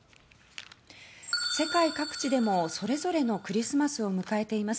世界各地でも、それぞれのクリスマスを迎えています。